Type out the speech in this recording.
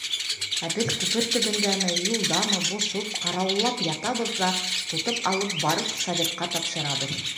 Ә беҙ күпер төбөндәме, юлдамы, боҫоп, ҡарауыллап ятабыҙ ҙа тотоп алып барып Советҡа тапшырабыҙ.